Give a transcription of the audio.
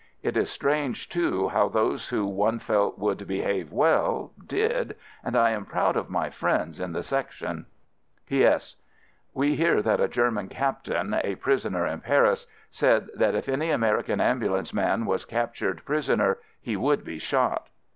It is strange, too, how those who one felt would behave well — did — and I am proud of my friends in the Section. P.S. We hear that a German captain, a prisoner in Paris, said that if any Ameri can ambulance man was captured pris 1 He died soon after. FIELD SERVICE 83 oner he would be shot